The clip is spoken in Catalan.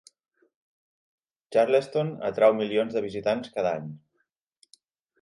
Charleston atrau milions de visitants cada any.